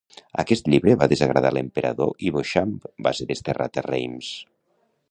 Aquest llibre va desagradar l'Emperador i Beauchamp va ser desterrat a Reims.